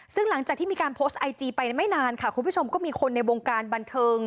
ซึ่งหลังจากที่มีการโพสต์ไอจีไปไม่นานค่ะคุณผู้ชมก็มีคนในวงการบันเทิง